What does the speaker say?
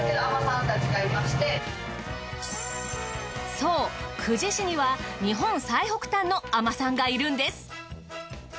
そう久慈市には日本最北端の海女さんがいるんです。